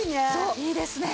いいですね！